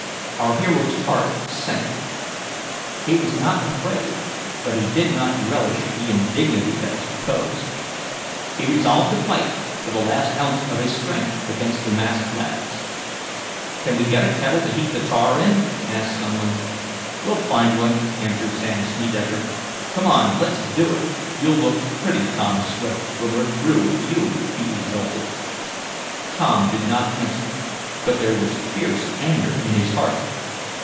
Our hero's heart sank. He was not afraid, but he did not relish the indignity that was proposed. He resolved to fight to the last ounce of his strength against the masked lads. "Can we get a kettle to heat the tar in?" asked some one. "We'll find one," answered Sam Snedecker. "Come on, let's do it. You'll look pretty, Tom Swift, when we're through with you," he exulted. Tom did not answer, but there was fierce anger in his heart.